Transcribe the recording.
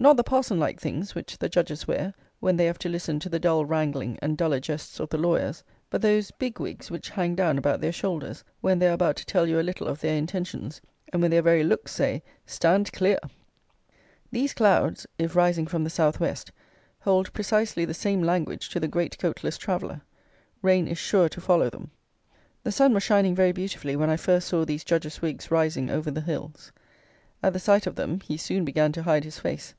Not the parson like things which the Judges wear when they have to listen to the dull wrangling and duller jests of the lawyers; but those big wigs which hang down about their shoulders, when they are about to tell you a little of their intentions, and when their very looks say, "Stand clear!" These clouds (if rising from the South West) hold precisely the same language to the great coatless traveller. Rain is sure to follow them. The sun was shining very beautifully when I first saw these Judges' wigs rising over the hills. At the sight of them he soon began to hide his face!